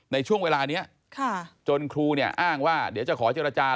ในช่วงเวลานี้จนครูเนี่ยอ้างว่าเดี๋ยวจะขอเจรจา